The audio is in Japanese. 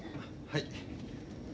はい。